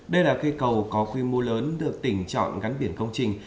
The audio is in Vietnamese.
đây là cây cầu có quy mô lớn được tỉnh chọn gắn biển công trình